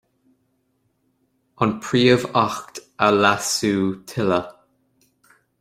An Príomh-Acht a leasú tuilleadh.